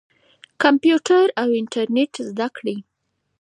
کمپیوټر او انټرنیټ زده کړئ.